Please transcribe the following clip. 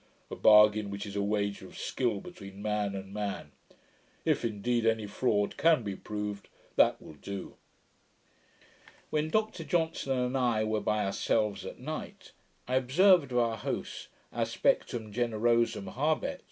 a bargain, which is a wager of skill between man and man. If, indeed, any fraud can be proved, that will do.' When Dr Johnson and I were by ourselves at night, I observed of our host, 'aspectum generosum habet.'